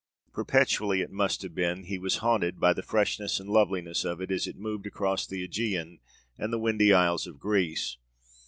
Perpetually, it must have been, he was haunted by the freshness and loveliness of it as it moved across the Ægean and the windy isles of Greece.